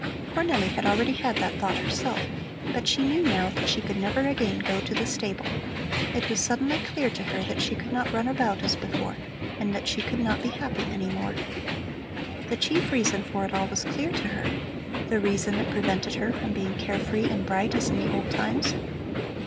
Cornelli had already had that thought herself, but she knew now that she could never again go to the stable. It was suddenly clear to her that she could not run about as before and that she could not be happy any more. The chief reason for it all was clear to her, the reason that prevented her from being carefree and bright as in the old times.